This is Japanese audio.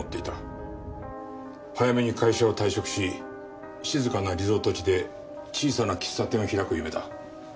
早めに会社を退職し静かなリゾート地で小さな喫茶店を開く夢だ。